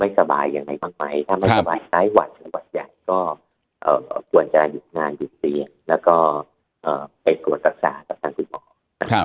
แล้วก็ไปตรวจรักษากับทางคุณหมอนะครับ